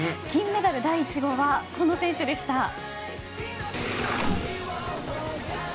金メダル第１号はこの選手でした。